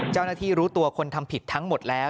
เจ้าหน้าที่รู้ตัวคนทำผิดทั้งหมดแล้ว